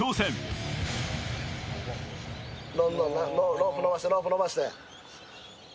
ロープ伸ばして、ロープ伸ばして。